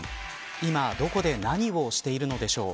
今、どこで何をしているのでしょう。